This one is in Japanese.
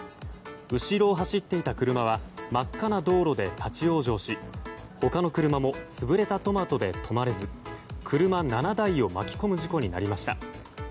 後ろを走っていた車は真っ赤な道路で立ち往生し他の車も潰れたトマトで止まれず車７台を巻き込む事故になりました。